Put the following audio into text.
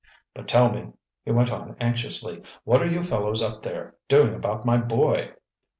But tell me," he went on anxiously, "what are you fellows up there doing about my boy?"